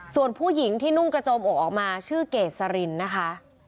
ส่วนผู้หญิงที่นุ่งกระโจมอกออกมาชื่อเกษรินนะคะ